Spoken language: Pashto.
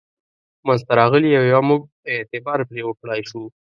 منځته راغلي او یا موږ اعتبار پرې وکړای شو.